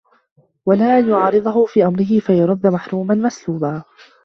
وَلَا أَنْ يُعَارِضَهُ فِي أَمْرِهِ فَيُرَدُّ مَحْرُومًا مَسْلُوبًا